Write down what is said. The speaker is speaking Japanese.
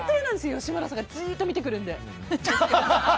吉村さんがじーっとみてくるので。